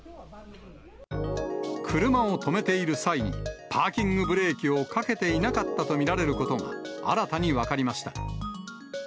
車を止めている際に、パーキングブレーキをかけていなかったと見られることが、新たに分かりました。